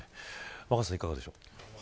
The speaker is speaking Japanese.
若狭さんいかがですか。